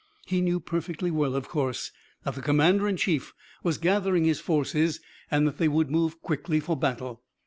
He knew perfectly well, of course, that the commander in chief was gathering his forces and that they would move quickly for battle.